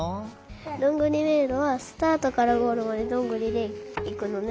どんぐりめいろはスタートからゴールまでどんぐりでいくのね。